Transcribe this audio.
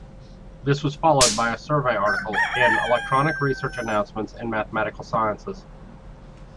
This was followed by a survey article in Electronic Research Announcements in Mathematical Sciences.